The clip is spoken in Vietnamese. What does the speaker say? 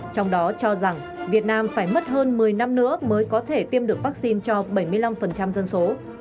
trong đó cho rằng việt nam phải mất hơn một mươi năm nữa mới có thể tiêm được vaccine cho bảy mươi năm dân số